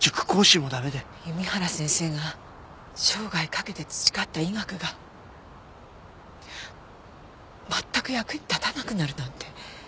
弓原先生が生涯かけて培った医学が全く役に立たなくなるなんて。